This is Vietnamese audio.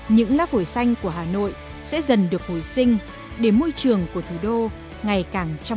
những lá phổi xanh của hà nội sẽ dần được hồi sinh để môi trường của thủ đô ngày càng trong lành sạch sẽ hơn